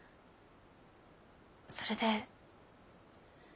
それで。